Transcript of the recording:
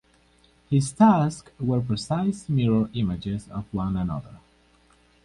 His tusks were precise mirror images of one another.